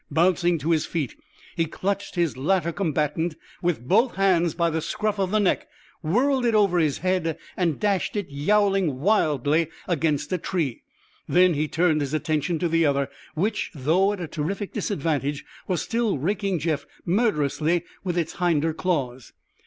Bouncing to his feet, he clutched this latter combatant with both hands by the scruff of the neck, whirled it around his head and dashed it, yowling wildly, against a tree. Then he turned his attention to the other, which, though at a terrific disadvantage, was still raking Jeff murderously with its hinder claws.